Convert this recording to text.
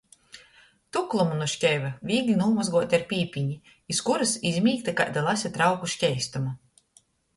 Tuklumu nu škeiva vīgli nūmozguot ar pīpini, iz kurys izmīgta kaida lase trauku škeistuma.